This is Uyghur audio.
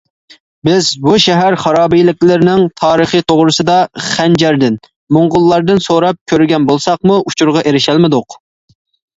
بىز بۇ شەھەر خارابىلىكلىرىنىڭ تارىخى توغرىسىدا خەنجەردىن، موڭغۇللاردىن سوراپ كۆرگەن بولساقمۇ ئۇچۇرغا ئېرىشەلمىدۇق.